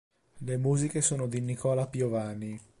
Le musiche sono di Nicola Piovani.